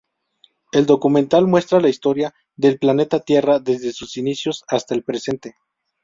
El documental muestra la historia del planeta Tierra desde sus inicios hasta el presente.